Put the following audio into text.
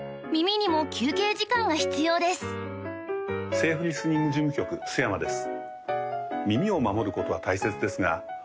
セーフリスニング事務局須山です